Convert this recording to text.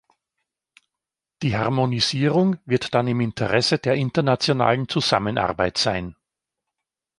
Die Harmonisierung wird dann im Interesse der internationalen Zusammenarbeit sein.